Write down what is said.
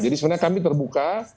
jadi sebenarnya kami terbuka